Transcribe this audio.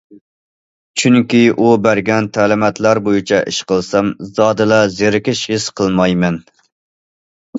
چۈنكى، ئۇ بەرگەن تەلىماتلار بويىچە ئىش قىلسام، زادىلا زېرىكىش ھېس قىلمايمەن.